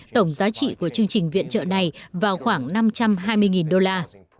tổng giá trị của chương trình viện trợ này vào khoảng năm trăm hai mươi đô la